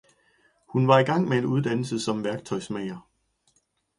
Hun var igang med en uddannelse som værktøjsmager